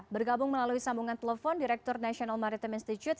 bergabung melalui sambungan telepon direktur national maritim institute